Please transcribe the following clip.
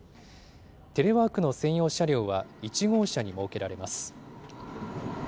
テレワークの専用車両は１号車に設けられます。